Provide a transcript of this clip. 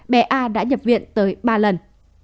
bé a đã nhập viện tới ba lần